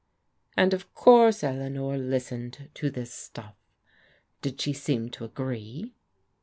"And of course Eleanor listened to this stuflF. Did she seem to agree?